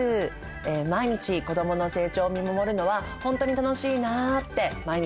毎日子どもの成長を見守るのはほんとに楽しいなって毎日思ってます。